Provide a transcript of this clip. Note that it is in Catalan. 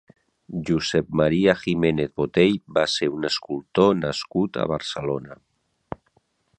Josep Maria Giménez-Botey va ser un escultor nascut a Barcelona.